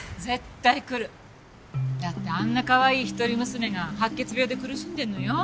だってあんなかわいい一人娘が白血病で苦しんでるのよ。